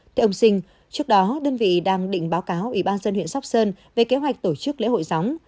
theo ông sinh trước đó đơn vị đang định báo cáo ủy ban dân huyện sóc sơn về kế hoạch tổ chức lễ hội gióng